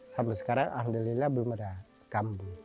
sampai sekarang alhamdulillah belum ada kambuh